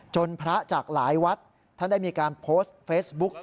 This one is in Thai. พระจากหลายวัดท่านได้มีการโพสต์เฟซบุ๊ก